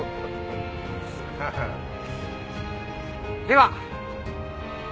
では。